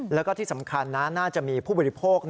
แล้วก็ที่สำคัญนะน่าจะมีผู้บริโภค